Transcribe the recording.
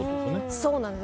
そうなんです。